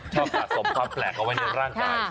สะสมความแปลกเอาไว้ในร่างกาย